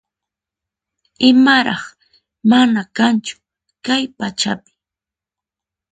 Imaraq mana kanchu kay pachapi